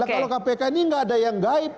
kalau kpk ini nggak ada yang gaib